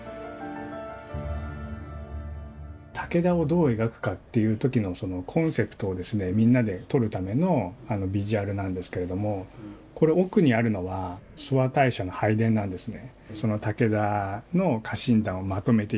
武田をどう描くかっていう時のコンセプトをみんなで取るためのビジュアルなんですけれどもこれそういった視覚的な効果としては煙ですね。